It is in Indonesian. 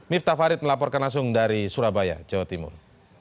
miftah farid melaporkan langsung dari surabaya jawa timur